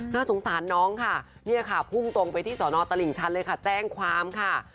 น่าสงสารน้องค่ะเนี่ยค่ะพุ่งตรงไปที่สอนอตลิ่งชันเลยค่ะแจ้งความค่ะ